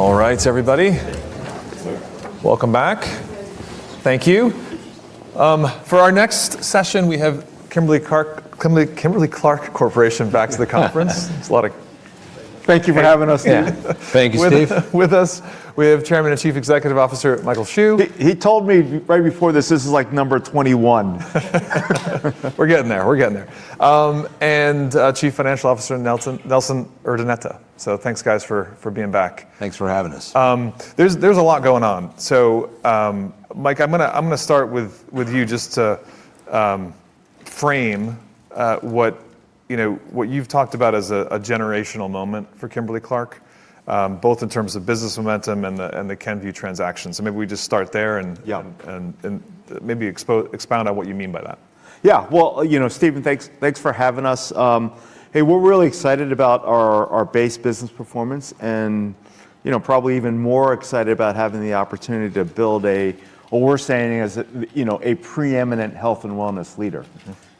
All right, everybody. Welcome back. Thank you. For our next session, we have Kimberly-Clark Corporation back to the conference. There's a lot of. Thank you for having us. Yeah. Thank you, Steve. With us, we have Chairman and Chief Executive Officer, Michael Hsu. He told me right before this is like number 21. We're getting there. Chief Financial Officer, Nelson Urdaneta. Thanks, guys, for being back. Thanks for having us. There's a lot going on. Mike, I'm going to start with you just to frame what you've talked about as a generational moment for Kimberly-Clark, both in terms of business momentum and the Kenvue transactions. Maybe we just start there. Yeah. Maybe expound on what you mean by that. Well, Steve, thanks for having us. Hey, we're really excited about our base business performance and probably even more excited about having the opportunity to build a, what we're saying is, a pre-eminent health and wellness leader.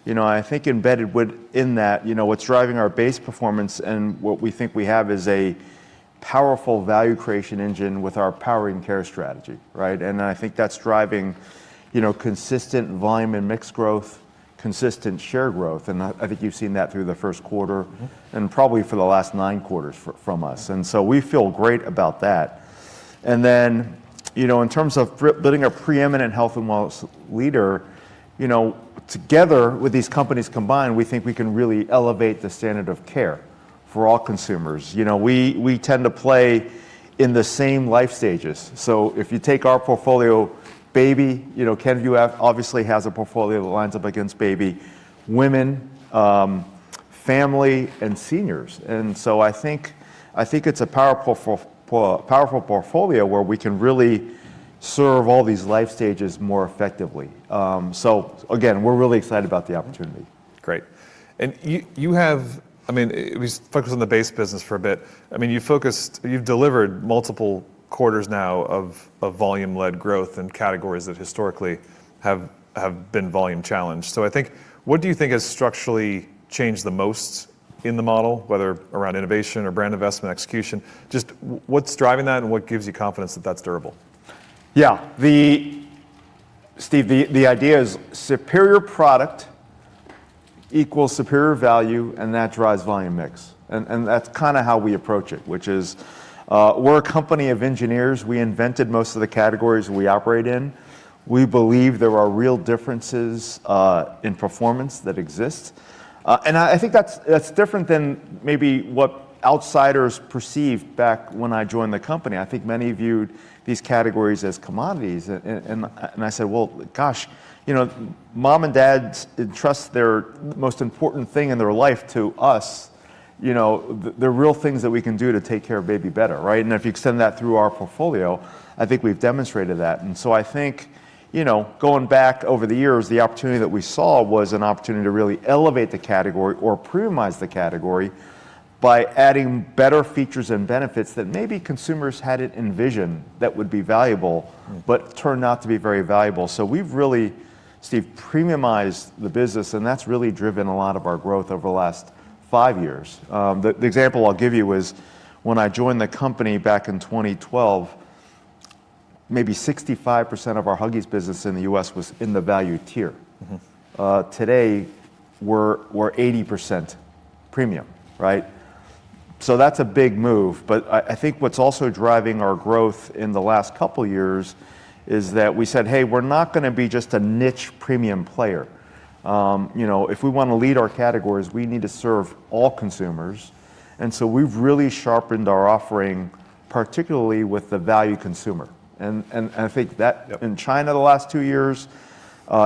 I think embedded within that, what's driving our base performance and what we think we have is a powerful value creation engine with our Powering Care strategy. Right? I think that's driving consistent volume and mixed growth, consistent share growth, and I think you've seen that through the first quarter. Probably for the last nine quarters from us. We feel great about that. in terms of building a pre-eminent health and wellness leader, together with these companies combined, we think we can really elevate the standard of care for all consumers. We tend to play in the same life stages. if you take our portfolio, baby, Kenvue obviously has a portfolio that lines up against baby, women, family, and seniors. I think it's a powerful portfolio where we can really serve all these life stages more effectively. again, we're really excited about the opportunity. Great. We focus on the base business for a bit. You've delivered multiple quarters now of volume-led growth in categories that historically have been volume-challenged. I think, what do you think has structurally changed the most in the model, whether around innovation or brand investment execution? Just what's driving that and what gives you confidence that that's durable? Yeah. Steve, the idea is superior product equals superior value, That drives volume mix. That's kind of how we approach it, which is, we're a company of engineers. We invented most of the categories we operate in. We believe there are real differences in performance that exist. I think that's different than maybe what outsiders perceived back when I joined the company. I think many viewed these categories as commodities, I said, "Well, gosh, mom and dad trust their most important thing in their life to us. There are real things that we can do to take care of baby better," right? If you extend that through our portfolio, I think we've demonstrated that. I think, going back over the years, the opportunity that we saw was an opportunity to really elevate the category or premiumize the category by adding better features and benefits that maybe consumers hadn't envisioned that would be valuable, but turned out to be very valuable. We've really, Steve, premiumized the business, and that's really driven a lot of our growth over the last five years. The example I'll give you is when I joined the company back in 2012, maybe 65% of our Huggies business in the U.S. was in the value tier. Today, we're 80% premium, right? That's a big move, but I think what's also driving our growth in the last couple of years is that we said, "Hey, we're not going to be just a niche premium player. If we want to lead our categories, we need to serve all consumers." We've really sharpened our offering, particularly with the value consumer. I think that. Yep. In China the last two years,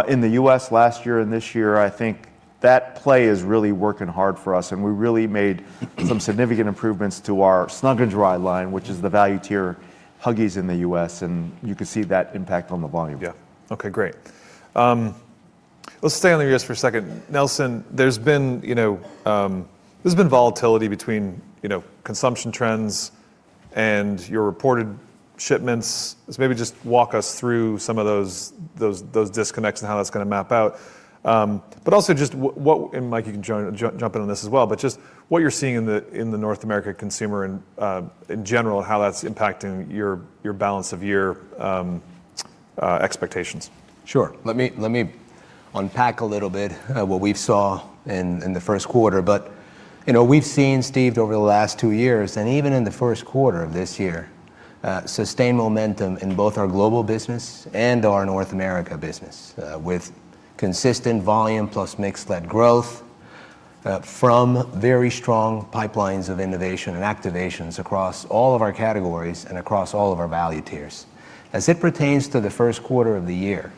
in the U.S. last year and this year, I think that play is really working hard for us, and we really made some significant improvements to our Huggies Snug & Dry line, which is the value tier Huggies in the U.S., and you can see that impact on the volume. Yeah. Okay, great. Let's stay on the U.S. for a second. Nelson, there's been volatility between consumption trends and your reported shipments. Maybe just walk us through some of those disconnects and how that's going to map out. Also just what, and Mike, you can jump in on this as well, but just what you're seeing in the North America consumer in general, how that's impacting your balance of year expectations. Sure. Let me unpack a little bit what we saw in the first quarter. We've seen, Steve, over the last two years, and even in the first quarter of this year, sustained momentum in both our global business and our North America business with consistent volume plus mix-led growth from very strong pipelines of innovation and activations across all of our categories and across all of our value tiers. As it pertains to the first quarter of the year,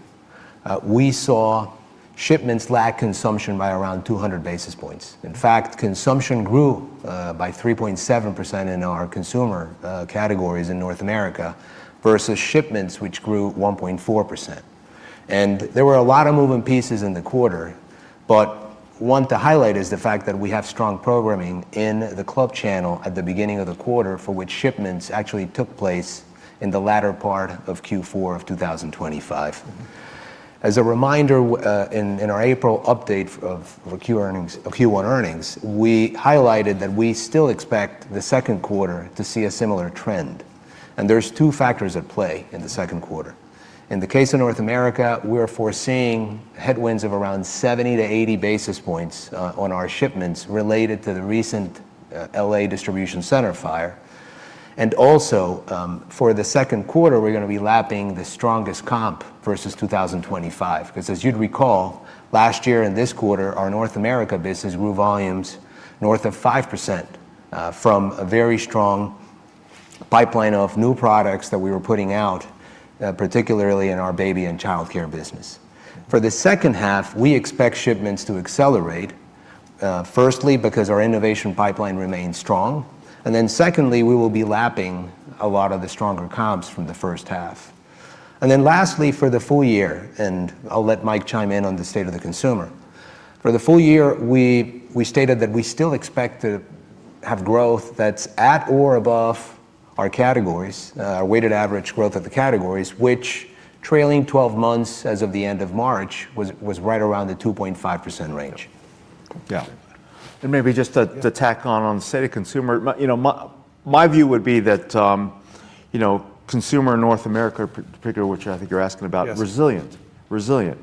we saw shipments lag consumption by around 200 basis points. In fact, consumption grew by 3.7% in our consumer categories in North America versus shipments, which grew 1.4%. There were a lot of moving pieces in the quarter, but one to highlight is the fact that we have strong programming in the club channel at the beginning of the quarter for which shipments actually took place in the latter part of Q4 of 2025. As a reminder, in our April update of our Q1 earnings, we highlighted that we still expect the second quarter to see a similar trend. There's two factors at play in the second quarter. In the case of North America, we're foreseeing headwinds of around 70 to 80 basis points on our shipments related to the recent L.A. distribution center fire. Also, for the second quarter, we're going to be lapping the strongest comp versus 2025. As you'd recall, last year in this quarter, our North America business grew volumes north of 5%, from a very strong pipeline of new products that we were putting out, particularly in our baby and childcare business. For the second half, we expect shipments to accelerate, firstly because our innovation pipeline remains strong, secondly, we will be lapping a lot of the stronger comps from the first half. Lastly, for the full year, and I'll let Mike chime in on the state of the consumer. For the full year, we stated that we still expect to have growth that's at or above our categories, our weighted average growth of the categories, which trailing 12 months as of the end of March, was right around the 2.5% range. Yeah. Maybe just to tack on the state of consumer, my view would be that consumer in North America in particular, which I think you're asking about. Yes. Resilient.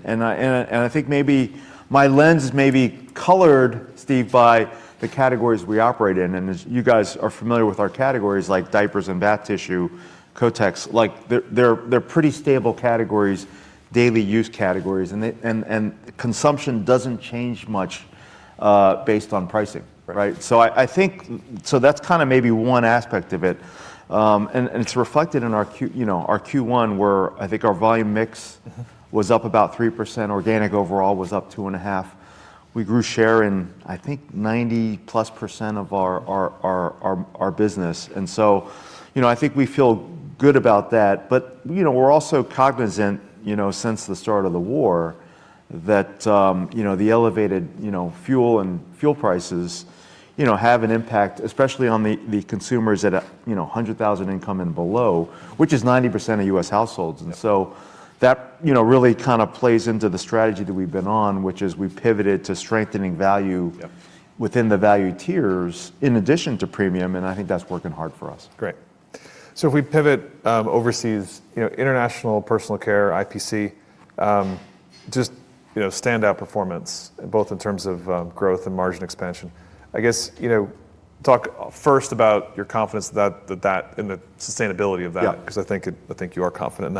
I think maybe my lens is maybe colored, Steve, by the categories we operate in. As you guys are familiar with our categories, like diapers and bath tissue, Kotex, they're pretty stable categories, daily use categories. Consumption doesn't change much based on pricing. Right. That's maybe one aspect of it. It's reflected in our Q1, where I think our volume mix was up about 3%, organic overall was up 2.5%. We grew share in, I think, 90%+ of our business. I think we feel good about that. We're also cognizant, since the start of the war, that the elevated fuel prices have an impact, especially on the consumers at $100,000 income and below, which is 90% of U.S. households. Yeah. That really plays into the strategy that we've been on, which is we've pivoted to strengthening value. Yeah. Within the value tiers in addition to premium, and I think that's working hard for us. Great. If we pivot overseas, International Personal Care, IPC, just standout performance both in terms of growth and margin expansion. I guess, talk first about your confidence in the sustainability of that. Yeah. I think you are confident in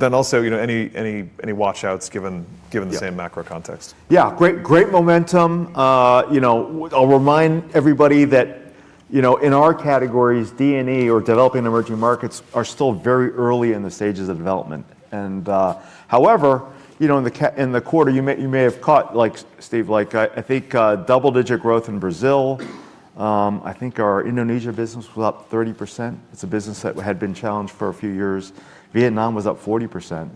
that. Also, any watch outs given the same macro context? Yeah. Great momentum. I'll remind everybody that in our categories, D&E or developing emerging markets are still very early in the stages of development. However, in the quarter, you may have caught, Steve, I think double-digit growth in Brazil. I think our Indonesia business was up 30%. It's a business that had been challenged for a few years. Vietnam was up 40%.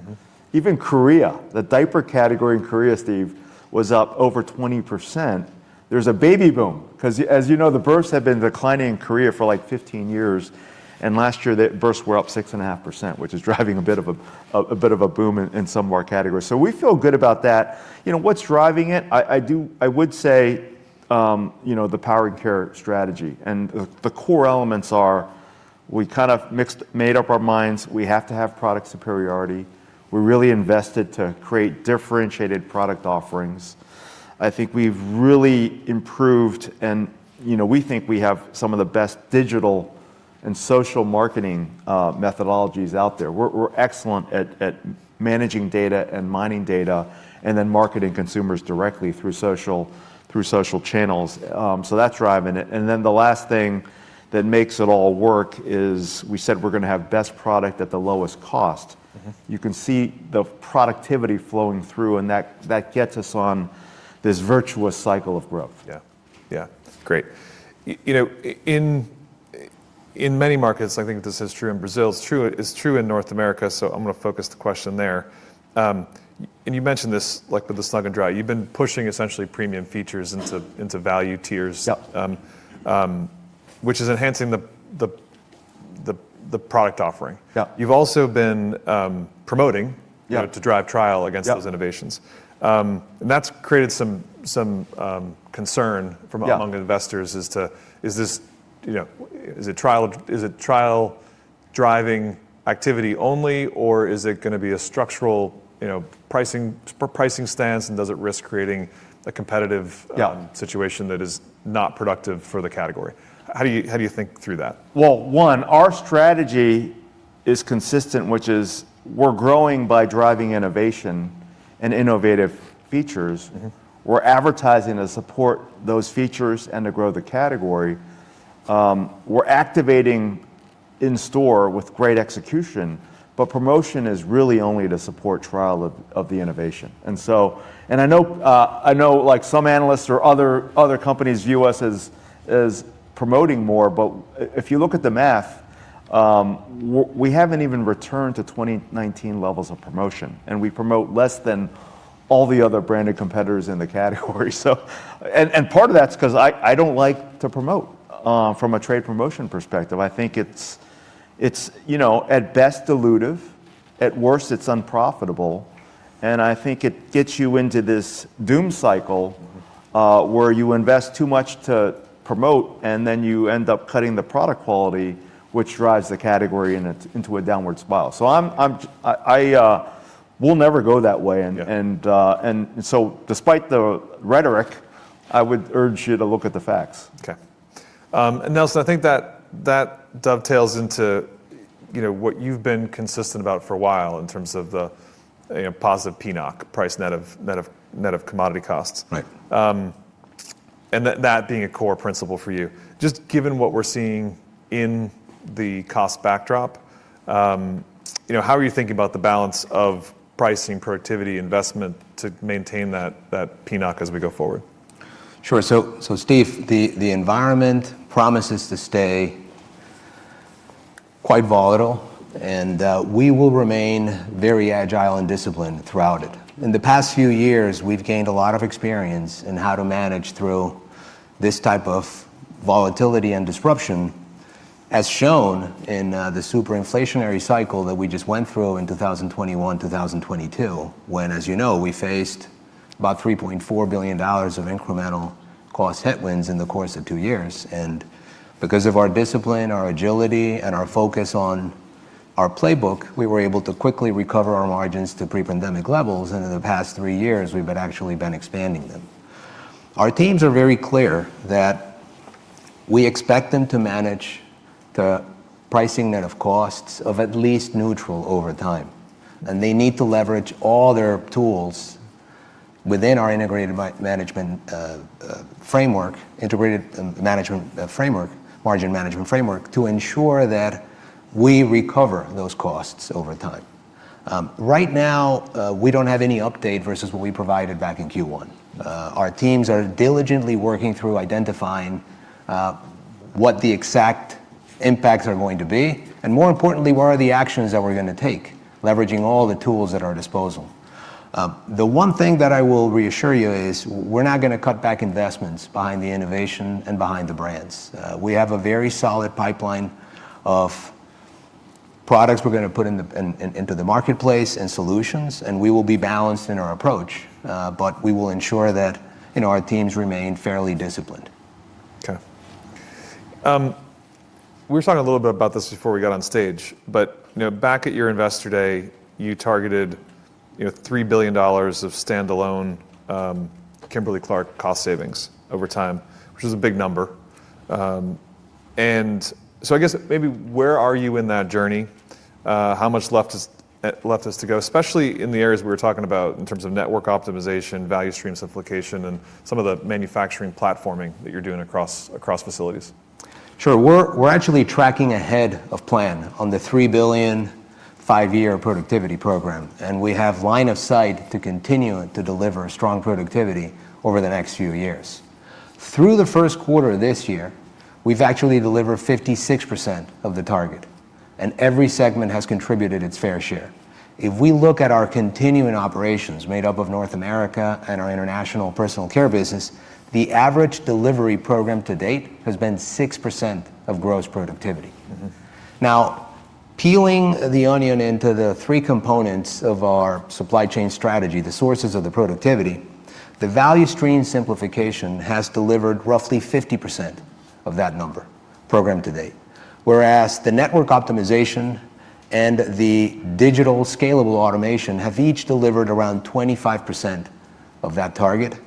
Even Korea, the diaper category in Korea, Steve, was up over 20%. There's a baby boom, because as you know, the births have been declining in Korea for 15 years, and last year the births were up 6.5%, which is driving a bit of a boom in some of our categories. We feel good about that. What's driving it? I would say the Powering Care strategy. The core elements are we kind of made up our minds. We have to have product superiority. We're really invested to create differentiated product offerings. I think we've really improved and we think we have some of the best digital and social marketing methodologies out there. We're excellent at managing data and mining data, and then marketing consumers directly through social channels. That's driving it. The last thing that makes it all work is we said we're going to have best product at the lowest cost. You can see the productivity flowing through, and that gets us on this virtuous cycle of growth. Yeah. Great. In many markets, I think this is true in Brazil, it's true in North America, so I'm going to focus the question there. You mentioned this with the Snug & Dry. You've been pushing essentially premium features into value tiers. Yep. Which is enhancing the product offering. Yep. You've also been promoting. Yep. To drive trial against those innovations. Yep. That's created some concern. Yeah. Among investors as to, is it trial-driving activity only, or is it going to be a structural pricing stance, and does it risk creating a competitive? Yeah. Situation that is not productive for the category? How do you think through that? Well, one, our strategy is consistent, which is we're growing by driving innovation and innovative features. We're advertising to support those features and to grow the category. We're activating in-store with great execution, but promotion is really only to support trial of the innovation. I know some analysts or other companies view us as promoting more, but if you look at the math, we haven't even returned to 2019 levels of promotion, and we promote less than all the other branded competitors in the category. Part of that's because I don't like to promote, from a trade promotion perspective. I think it's at best, elusive. At worst, it's unprofitable. I think it gets you into this doom cycle, where you invest too much to promote, and then you end up cutting the product quality, which drives the category into a downward spiral. I will never go that way. Yeah. Despite the rhetoric, I would urge you to look at the facts. Okay. Nelson, I think that dovetails into what you've been consistent about for a while in terms of the positive PNOC, price net of commodity costs. Right. That being a core principle for you. Just given what we're seeing in the cost backdrop, how are you thinking about the balance of pricing productivity investment to maintain that PNOC as we go forward? Sure. Steve, the environment promises to stay quite volatile and, we will remain very agile and disciplined throughout it. In the past few years, we've gained a lot of experience in how to manage through this type of volatility and disruption, as shown in the super inflationary cycle that we just went through in 2021, 2022, when, as you know, we faced about $3.4 billion of incremental cost headwinds in the course of two years. Because of our discipline, our agility, and our focus on our playbook, we were able to quickly recover our margins to pre-pandemic levels, and in the past three years, we've actually been expanding them. Our teams are very clear that we expect them to manage the pricing net of costs of at least neutral over time, and they need to leverage all their tools within our Integrated Margin Management framework to ensure that we recover those costs over time. Right now, we don't have any update versus what we provided back in Q1. Our teams are diligently working through identifying what the exact impacts are going to be, and more importantly, what are the actions that we're going to take, leveraging all the tools at our disposal. The one thing that I will reassure you is we're not going to cut back investments behind the innovation and behind the brands. We have a very solid pipeline of products we're going to put into the marketplace, and solutions, and we will be balanced in our approach. We will ensure that our teams remain fairly disciplined. Okay. We were talking a little bit about this before we got on stage, but back at your Investor Day, you targeted $3 billion of standalone Kimberly-Clark cost savings over time, which is a big number. I guess maybe where are you in that journey? How much left is to go? Especially in the areas we were talking about in terms of network optimization, value stream simplification, and some of the manufacturing platforming that you're doing across facilities. Sure. We're actually tracking ahead of plan on the $3 billion five year productivity program, and we have line of sight to continue to deliver strong productivity over the next few years. Through the first quarter this year, we've actually delivered 56% of the target, and every segment has contributed its fair share. If we look at our continuing operations made up of North America and our International Personal Care business, the average delivery program to date has been 6% of gross productivity. Now, peeling the onion into the three components of our supply chain strategy, the sources of the productivity, the value stream simplification has delivered roughly 50% of that number program to date. Whereas the network optimization and the digital scalable automation have each delivered around 25% of that target,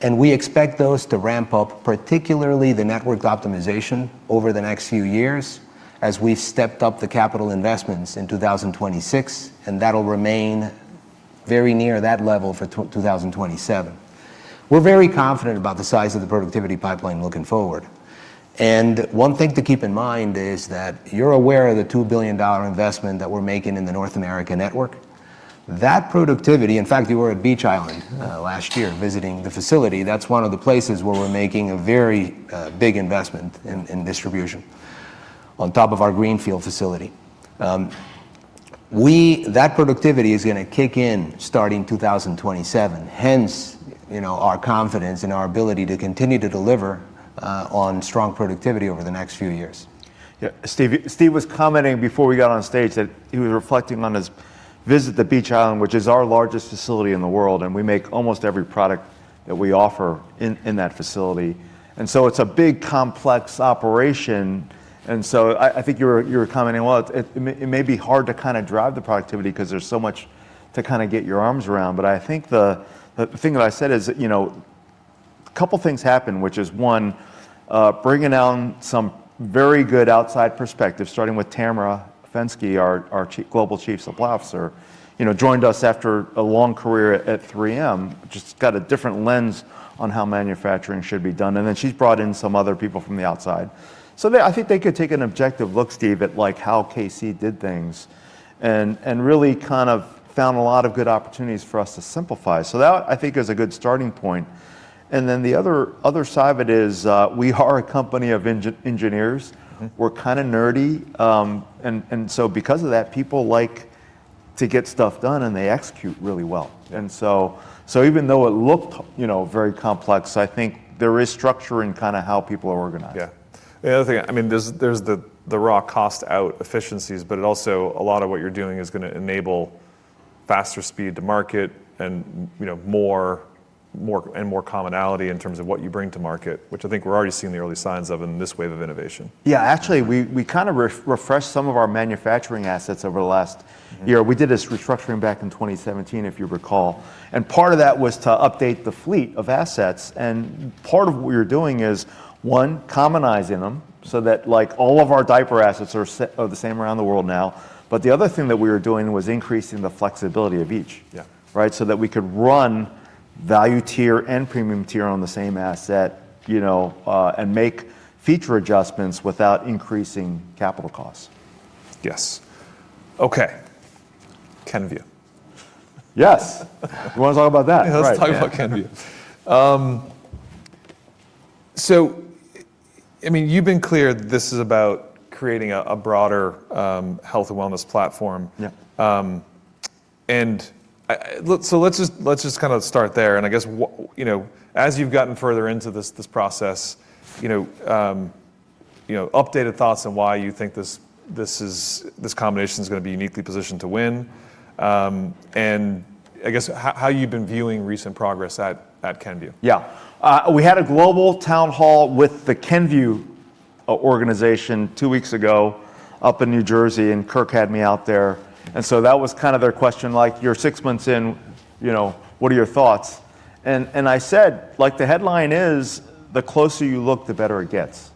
and we expect those to ramp up, particularly the network optimization over the next few years as we've stepped up the capital investments in 2026, and that'll remain very near that level for 2027. We're very confident about the size of the productivity pipeline looking forward. One thing to keep in mind is that you're aware of the $2 billion investment that we're making in the North America network. That productivity, in fact, you were at Beech Island last year visiting the facility. That's one of the places where we're making a very big investment in distribution on top of our Greenfield facility. That productivity is going to kick in starting 2027, hence our confidence in our ability to continue to deliver on strong productivity over the next few years. Yeah. Steve was commenting before we got on stage that he was reflecting on his visit to Beech Island, which is our largest facility in the world, and we make almost every product that we offer in that facility. It's a big, complex operation, and so I think you were commenting, "Well, it may be hard to drive the productivity because there's so much to get your arms around." I think the thing that I said is a couple of things happened, which is one, bringing on some very good outside perspective, starting with Tamera Fenske, our global chief supply officer, joined us after a long career at 3M, just got a different lens on how manufacturing should be done. Then she's brought in some other people from the outside. I think they could take an objective look, Steve, at how KC did things and really found a lot of good opportunities for us to simplify. That, I think, is a good starting point. The other side of it is, we are a company of engineers. We're kind of nerdy. Because of that, people like-To get stuff done, and they execute really well. Even though it looked very complex, I think there is structure in how people are organized. Yeah. The other thing, there's the raw cost-out efficiencies, but it also, a lot of what you're doing is going to enable faster speed to market and more commonality in terms of what you bring to market, which I think we're already seeing the early signs of in this wave of innovation. Yeah, actually, we refreshed some of our manufacturing assets over the last year. We did this restructuring back in 2017, if you recall. Part of that was to update the fleet of assets. Part of what we're doing is, one, commonizing them, so that all of our diaper assets are the same around the world now. The other thing that we were doing was increasing the flexibility of each. Yeah. Right? That we could run value tier and premium tier on the same asset, and make feature adjustments without increasing capital costs. Yes. Okay. Kenvue. Yes. You want to talk about that? Right. Let's talk about Kenvue. You've been clear that this is about creating a broader health and wellness platform. Yeah. Let's just start there. I guess as you've gotten further into this process, updated thoughts on why you think this combination's going to be uniquely positioned to win, and I guess how you've been viewing recent progress at Kenvue. Yeah. We had a global town hall with the Kenvue organization two weeks ago up in New Jersey. Kirk had me out there. That was their question, like, "You're six months in, what are your thoughts?" I said, the headline is, the closer you look, the better it gets.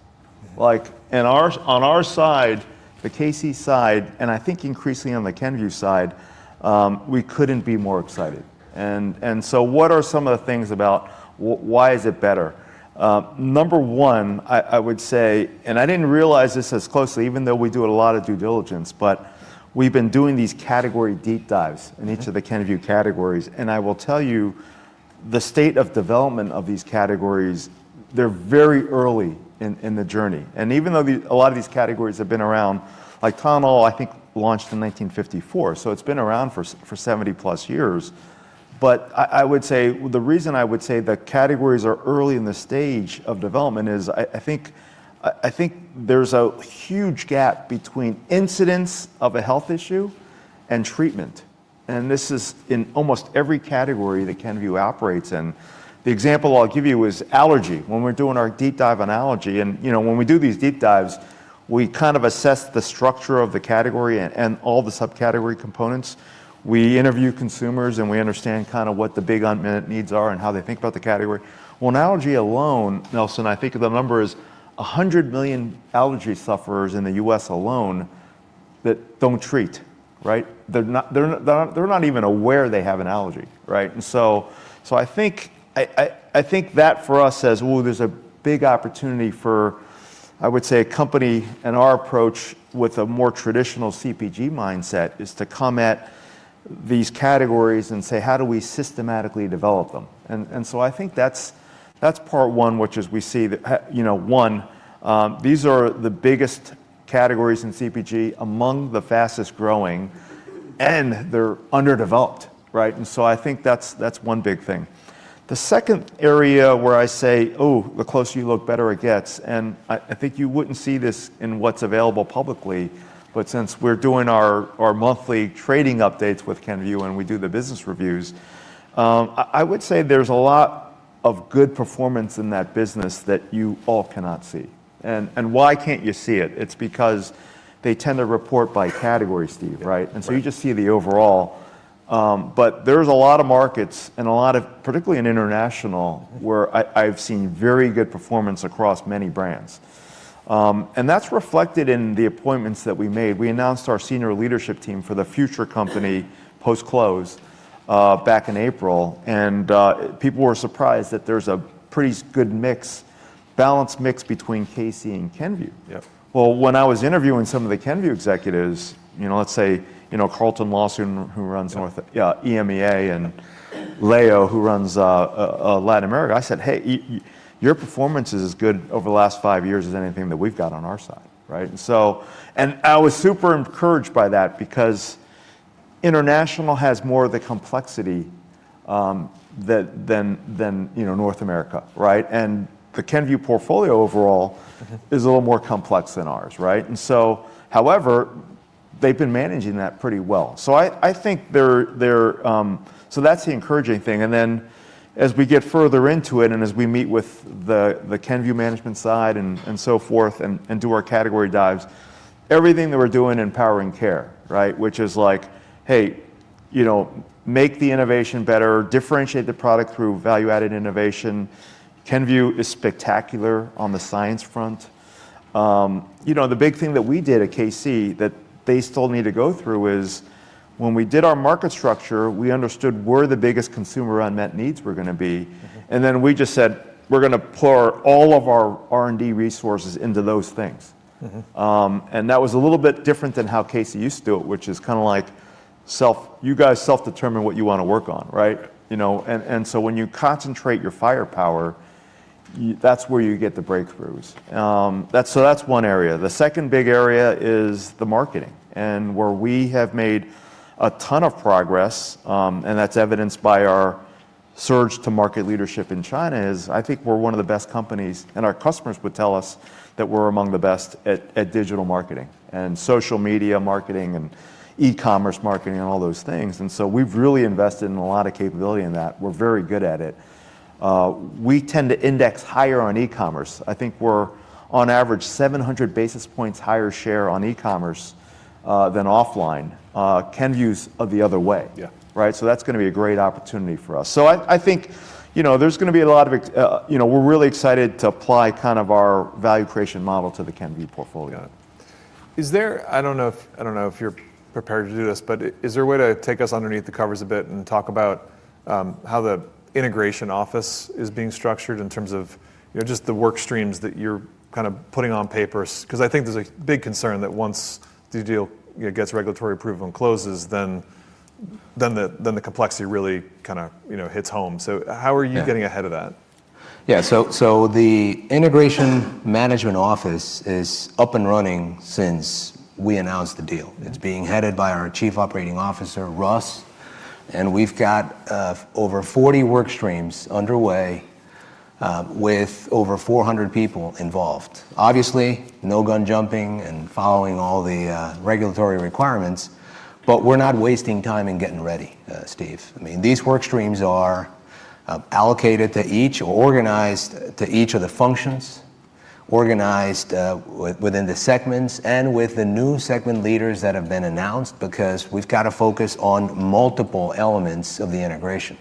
On our side, the KC side, and I think increasingly on the Kenvue side, we couldn't be more excited. What are some of the things about why is it better? Number one, I would say, and I didn't realize this as closely, even though we do a lot of due diligence, but we've been doing these category deep dives in each of the Kenvue categories. I will tell you, the state of development of these categories, they're very early in the journey. Even though a lot of these categories have been around, like Tylenol, I think, launched in 1954. It's been around for 70+ years. The reason I would say the categories are early in the stage of development is I think there's a huge gap between incidence of a health issue and treatment. This is in almost every category that Kenvue operates in. The example I'll give you is allergy. When we're doing our deep dive on allergy, and when we do these deep dives, we assess the structure of the category and all the subcategory components. We interview consumers, and we understand what the big unmet needs are and how they think about the category. Well, in allergy alone, Nelson, I think the number is 100 million allergy sufferers in the U.S. alone that don't treat, right? They're not even aware they have an allergy, right? I think that for us says, ooh, there's a big opportunity for, I would say, a company and our approach with a more traditional CPG mindset, is to come at these categories and say, "How do we systematically develop them?" I think that's part one, which is we see that, one, these are the biggest categories in CPG among the fastest-growing, and they're underdeveloped. Right? I think that's one big thing. The second area where I say, "Ooh, the closer you look, the better it gets," and I think you wouldn't see this in what's available publicly, but since we're doing our monthly trading updates with Kenvue and we do the business reviews, I would say there's a lot of good performance in that business that you all cannot see. Why can't you see it? It's because they tend to report by category, Steve, right? Right. You just see the overall. There's a lot of markets and a lot of, particularly in international, where I've seen very good performance across many brands. That's reflected in the appointments that we made. We announced our senior leadership team for the future company, post-close, back in April, and people were surprised that there's a pretty good mix, balanced mix between KC and Kenvue. Yeah. Well, when I was interviewing some of the Kenvue executives, let's say Carlton Lawson who runs North. Yeah. EMEA, and Leo, who runs Latin America, I said, "Hey, your performance is as good over the last five years as anything that we've got on our side." I was super encouraged by that because international has more of the complexity than North America. The Kenvue portfolio overall is a little more complex than ours. However, they've been managing that pretty well. That's the encouraging thing. As we get further into it, as we meet with the Kenvue management side and so forth and do our category dives, everything that we're doing in Powering Care. Which is like hey, make the innovation better, differentiate the product through value-added innovation. Kenvue is spectacular on the science front. The big thing that we did at KC that they told me to go through is when we did our market structure, we understood where the biggest consumer unmet needs were going to be. We just said, "We're going to pour all of our R&D resources into those things. That was a little bit different than how KC used to do it, which is like you guys self-determine what you want to work on, right? Yeah. When you concentrate your firepower that's where you get the breakthroughs. That's one area. The second big area is the marketing, and where we have made a ton of progress, and that's evidenced by our surge to market leadership in China, is I think we're one of the best companies, and our customers would tell us that we're among the best at digital marketing and social media marketing and e-commerce marketing and all those things. We've really invested in a lot of capability in that. We're very good at it. We tend to index higher on e-commerce. I think we're on average 700 basis points higher share on e-commerce than offline. Kenvue's the other way. Yeah. Right? That's going to be a great opportunity for us. I think we're really excited to apply our value creation model to the Kenvue portfolio. Got it. I don't know if you're prepared to do this, but is there a way to take us underneath the covers a bit and talk about how the integration office is being structured in terms of just the work streams that you're putting on paper? I think there's a big concern that once the deal gets regulatory approval and closes, then the complexity really hits home. How are you getting ahead of that? Yeah, the integration management office is up and running since we announced the deal. It's being headed by our Chief Operating Officer, Russ, and we've got over 40 work streams underway with over 400 people involved. Obviously, no gun-jumping and following all the regulatory requirements, we're not wasting time in getting ready, Steve. These work streams are organized to each of the functions, organized within the segments and with the new segment leaders that have been announced because we've got to focus on multiple elements of the integration.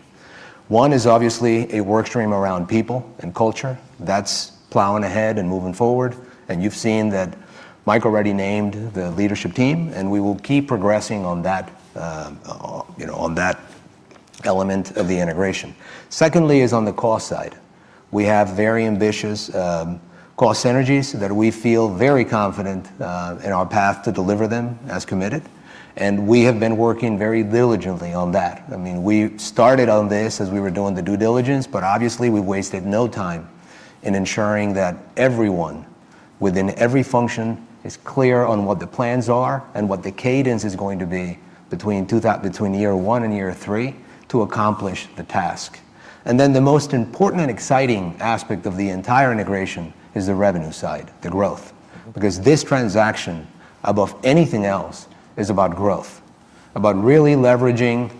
One is obviously a work stream around people and culture. That's plowing ahead and moving forward, and you've seen that Mike already named the leadership team, and we will keep progressing on that element of the integration. Secondly is on the cost side. We have very ambitious cost synergies that we feel very confident in our path to deliver them as committed, and we have been working very diligently on that. We started on this as we were doing the due diligence, but obviously we wasted no time in ensuring that everyone within every function is clear on what the plans are and what the cadence is going to be between year one and year three to accomplish the task. The most important and exciting aspect of the entire integration is the revenue side, the growth. This transaction, above anything else, is about growth, about really leveraging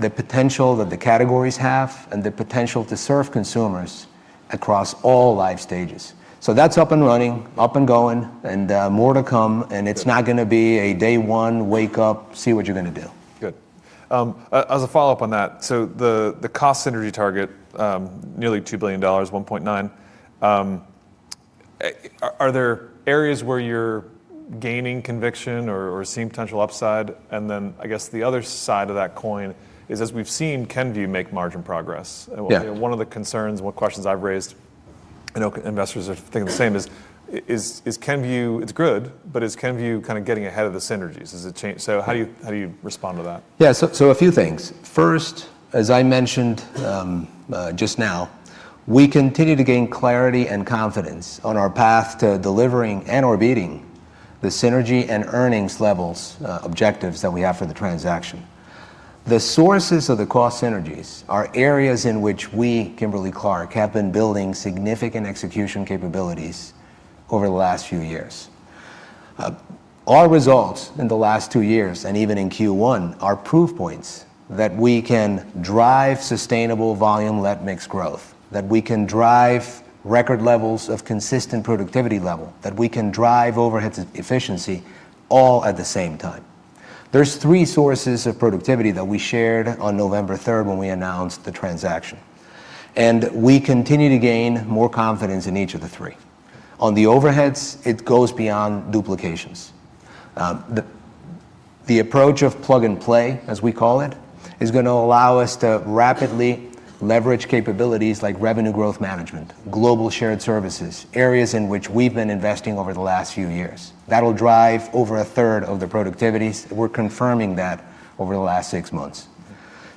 the potential that the categories have and the potential to serve consumers across all life stages. That's up and running, up and going, and more to come, and it's not going to be a day one wake up, see what you're going to do. Good. The cost synergy target, nearly $2 billion, $1.9 billion, are there areas where you're gaining conviction or seeing potential upside? I guess the other side of that coin is, as we've seen Kenvue make margin progress. Yeah. One of the concerns and what questions I've raised, I know investors are thinking the same, is Kenvue, it's good, but is Kenvue kind of getting ahead of the synergies? How do you respond to that? A few things. First, as I mentioned just now, we continue to gain clarity and confidence on our path to delivering and/or beating the synergy and earnings levels objectives that we have for the transaction. The sources of the cost synergies are areas in which we, Kimberly-Clark, have been building significant execution capabilities over the last two years. Our results in the last two years, and even in Q1, are proof points that we can drive sustainable volume-led mix growth, that we can drive record levels of consistent productivity level, that we can drive overhead efficiency all at the same time. There's three sources of productivity that we shared on November 3rd when we announced the transaction, and we continue to gain more confidence in each of the three. On the overheads, it goes beyond duplications. The approach of plug-and-play, as we call it, is going to allow us to rapidly leverage capabilities like revenue growth management, Global Business Services, areas in which we've been investing over the last few years. That'll drive over a third of the productivities. We're confirming that over the last six months.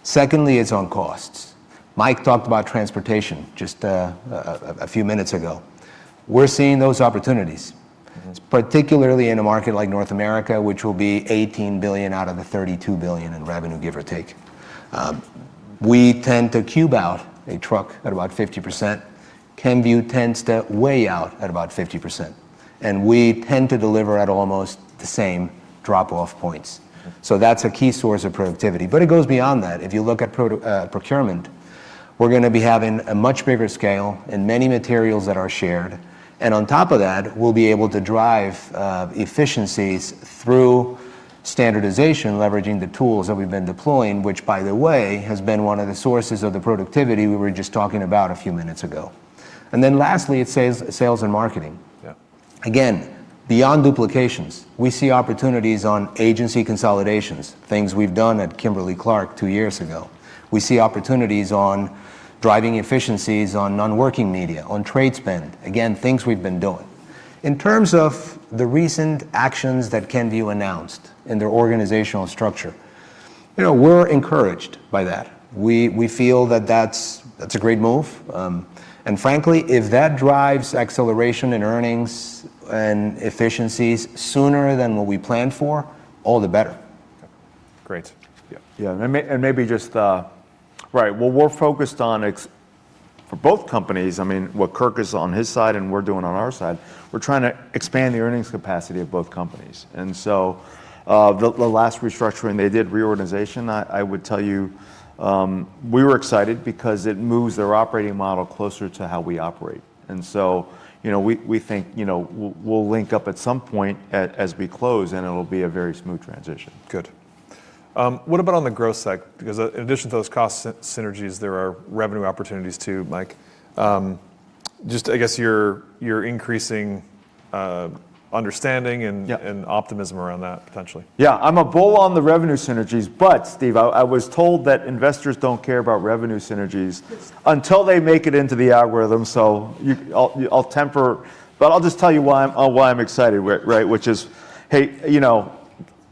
Secondly, it's on costs. Mike talked about transportation just a few minutes ago. We're seeing those opportunities, particularly in a market like North America, which will be $18 billion out of the $32 billion in revenue, give or take. We tend to cube out a truck at about 50%. Kenvue tends to weigh out at about 50%, and we tend to deliver at almost the same drop-off points. That's a key source of productivity. It goes beyond that. If you look at procurement, we're going to be having a much bigger scale in many materials that are shared, and on top of that, we'll be able to drive efficiencies through standardization, leveraging the tools that we've been deploying, which by the way, has been one of the sources of the productivity we were just talking about a few minutes ago. Lastly, it's sales and marketing. Yeah. Again, beyond duplications, we see opportunities on agency consolidations, things we've done at Kimberly-Clark two years ago. We see opportunities on driving efficiencies on non-working media, on trade spend. Again, things we've been doing. In terms of the recent actions that Kenvue announced in their organizational structure. We're encouraged by that. We feel that that's a great move. Frankly, if that drives acceleration in earnings and efficiencies sooner than what we planned for, all the better. Great. Yeah. Right. What we're focused on for both companies, what Kirk is on his side and we're doing on our side, we're trying to expand the earnings capacity of both companies. The last restructuring, they did reorganization. I would tell you we were excited because it moves their operating model closer to how we operate. We think we'll link up at some point as we close, and it'll be a very smooth transition. Good. What about on the growth side? In addition to those cost synergies, there are revenue opportunities too, Mike. Just, I guess your increasing understanding and. Yeah. Optimism around that potentially. Yeah. I'm a bull on the revenue synergies. Steve, I was told that investors don't care about revenue synergies until they make it into the algorithm. I'll temper, but I'll just tell you why I'm excited, right? Which is, hey,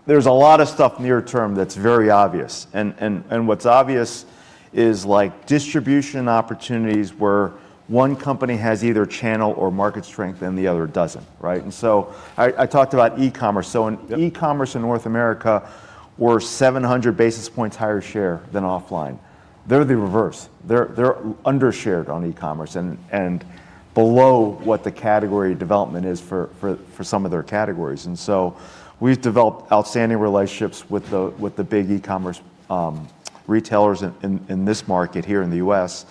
there's a lot of stuff near term that's very obvious. What's obvious is like distribution opportunities where one company has either channel or market strength and the other doesn't. Right? I talked about e-commerce. Yep. E-commerce in North America, we're 700 basis points higher share than offline. They're the reverse. They're under-shared on e-commerce and below what the category development is for some of their categories. We've developed outstanding relationships with the big e-commerce retailers in this market here in the U.S.,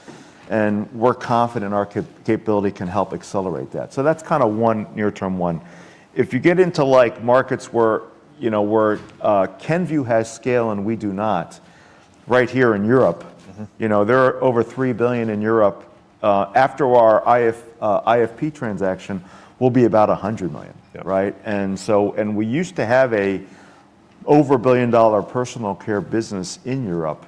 and we're confident our capability can help accelerate that. That's one near-term one. If you get into markets where Kenvue has scale and we do not, right here in Europe. There are over $3 billion in Europe. After our IFP transaction, we'll be about $100 million. Yep. Right? We used to have an over $1 billion personal care business in Europe.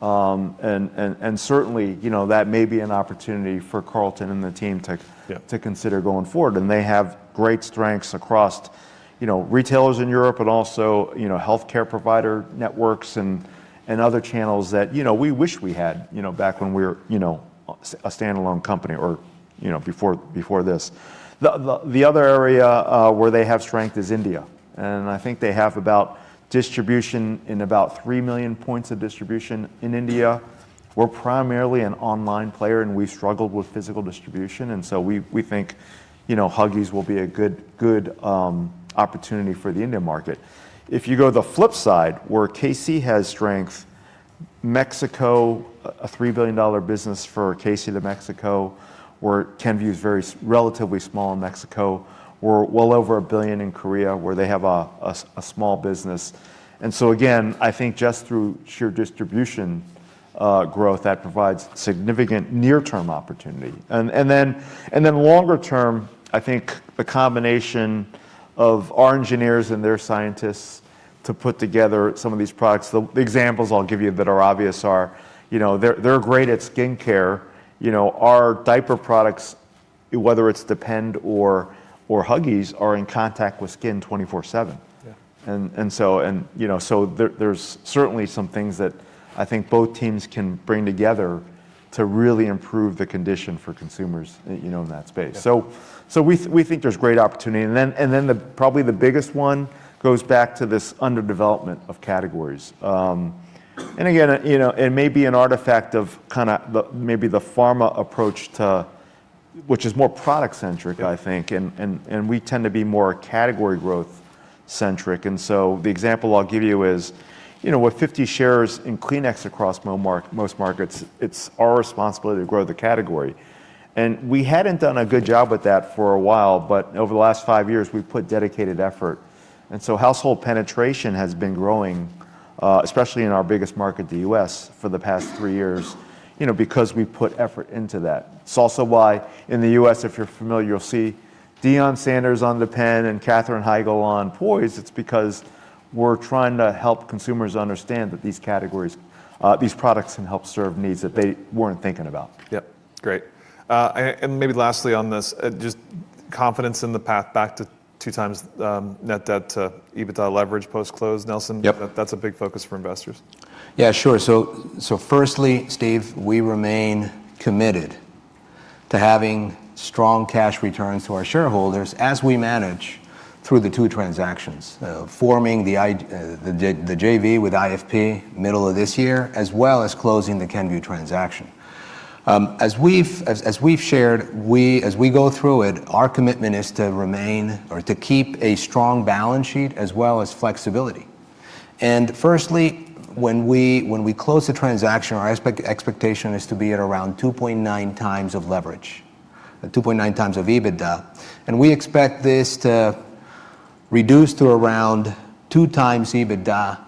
Certainly, that may be an opportunity for Carlton and the team. Yep. To consider going forward. They have great strengths across retailers in Europe and also healthcare provider networks and other channels that we wish we had back when we were a standalone company or before this. The other area where they have strength is India. I think they have distribution in about 3 million points of distribution in India. We're primarily an online player, and we struggled with physical distribution. We think Huggies will be a good opportunity for the India market. If you go the flip side where KC has strength, Mexico, a $3 billion business for KC de Mexico, where Kenvue is relatively small in Mexico. We're well over $1 billion in Korea, where they have a small business. Again, I think just through sheer distribution growth, that provides significant near-term opportunity. Longer term, I think the combination of our engineers and their scientists to put together some of these products. The examples I'll give you that are obvious are they're great at skin care. Our diaper products, whether it's Depend or Huggies, are in contact with skin 24/7. Yeah. There's certainly some things that I think both teams can bring together to really improve the condition for consumers in that space. Yeah. We think there's great opportunity. Probably the biggest one goes back to this underdevelopment of categories. Again, it may be an artifact of maybe the pharma approach which is more product centric, I think. We tend to be more category growth centric. The example I'll give you is, with 50 shares in Kleenex across most markets, it's our responsibility to grow the category. We hadn't done a good job with that for a while, but over the last five years, we've put dedicated effort. Household penetration has been growing, especially in our biggest market, the U.S., for the past three years, because we put effort into that. It's also why in the U.S., if you're familiar, you'll see Deion Sanders on Depend and Katherine Heigl on Poise. It's because we're trying to help consumers understand that these products can help serve needs that they weren't thinking about. Yep. Great. Maybe lastly on this, just confidence in the path back to two times net debt to EBITDA leverage post-close, Nelson? Yep. That's a big focus for investors. Yeah, sure. Firstly, Steve, we remain committed to having strong cash returns to our shareholders as we manage through the two transactions: forming the JV with IFP middle of this year, as well as closing the Kenvue transaction. As we've shared, as we go through it, our commitment is to keep a strong balance sheet as well as flexibility. Firstly, when we close the transaction, our expectation is to be at around 2.9 times of leverage, 2.9 times of EBITDA. We expect this to reduce to around 2 times EBITDA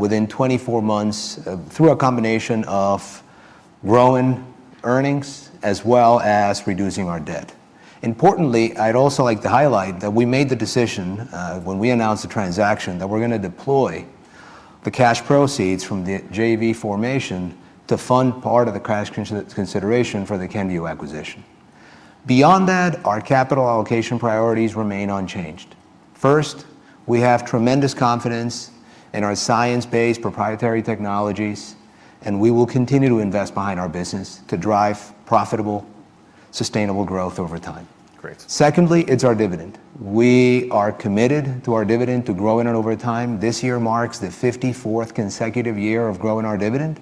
within 24 months through a combination of growing earnings as well as reducing our debt. Importantly, I'd also like to highlight that we made the decision when we announced the transaction that we're going to deploy the cash proceeds from the JV formation to fund part of the cash consideration for the Kenvue acquisition. Beyond that, our capital allocation priorities remain unchanged. First, we have tremendous confidence in our science-based proprietary technologies, and we will continue to invest behind our business to drive profitable, sustainable growth over time. Great. Secondly, it's our dividend. We are committed to our dividend to grow it over time. This year marks the 54th consecutive year of growing our dividend,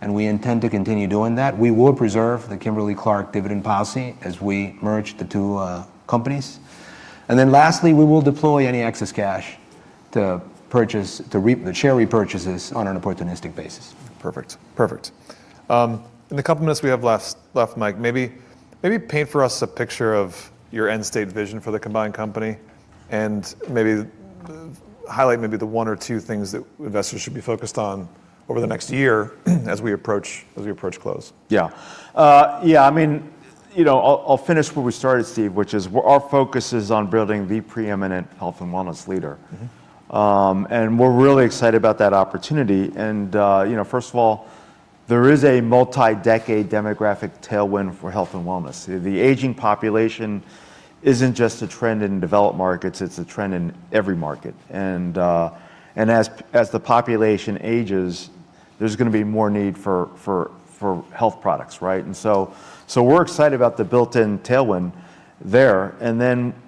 and we intend to continue doing that. We will preserve the Kimberly-Clark dividend policy as we merge the two companies. Lastly, we will deploy any excess cash to share repurchases on an opportunistic basis. Perfect. In the couple minutes we have left, Mike, maybe paint for us a picture of your end state vision for the combined company and maybe highlight the one or two things that investors should be focused on over the next year as we approach close. I'll finish where we started, Steve, which is our focus is on building the pre-eminent health and wellness leader. We're really excited about that opportunity. First of all, there is a multi-decade demographic tailwind for health and wellness. The aging population isn't just a trend in developed markets, it's a trend in every market. As the population ages, there's going to be more need for health products, right? We're excited about the built-in tailwind there.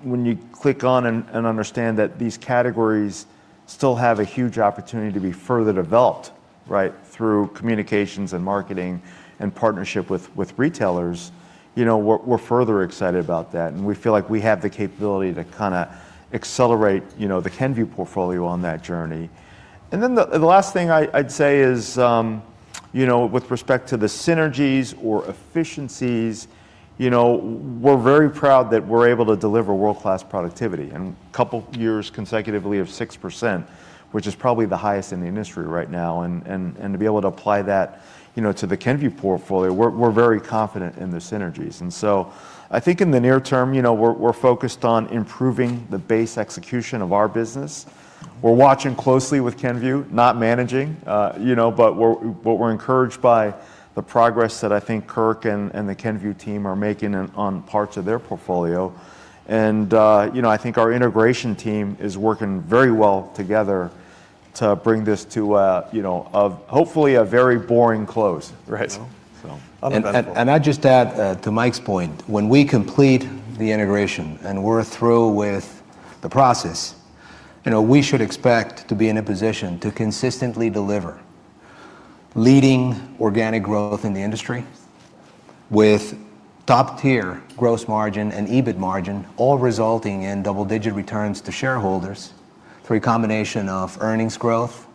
When you click on and understand that these categories still have a huge opportunity to be further developed, right, through communications and marketing and partnership with retailers, we're further excited about that, and we feel like we have the capability to kind of accelerate the Kenvue portfolio on that journey. The last thing I'd say is with respect to the synergies or efficiencies, we're very proud that we're able to deliver world-class productivity and two years consecutively of 6%, which is probably the highest in the industry right now. To be able to apply that to the Kenvue portfolio, we're very confident in the synergies. I think in the near term, we're focused on improving the base execution of our business. We're watching closely with Kenvue, not managing, but we're encouraged by the progress that I think Kurt and the Kenvue team are making on parts of their portfolio. I think our integration team is working very well together to bring this to hopefully a very boring close. Right. Other than that. I'd just add to Mike's point, when we complete the integration and we're through with the process, we should expect to be in a position to consistently deliver leading organic growth in the industry with top-tier gross margin and EBIT margin, all resulting in double-digit returns to shareholders through a combination of earnings growth,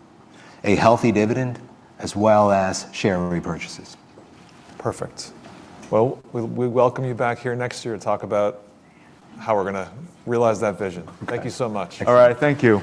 a healthy dividend, as well as share repurchases. Perfect. Well, we welcome you back here next year to talk about how we're going to realize that vision. Okay. Thank you so much. All right. Thank you.